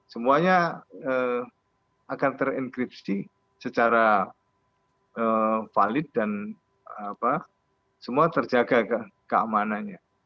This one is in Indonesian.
pokoknya akan ter encrypsi secara valid dan semua terjaga keamanannya